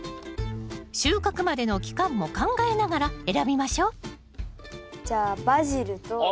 収穫までの期間も考えながら選びましょうじゃあバジルと。